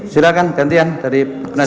silahkan gantian dari penajaran